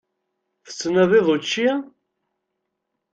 Tettnadiḍ učči?